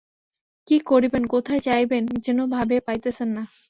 কী করিবেন কোথায় যাইবেন যেন ভাবিয়া পাইতেছেন না।